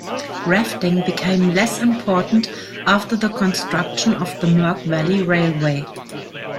Rafting became less important after the construction of the Murg Valley Railway.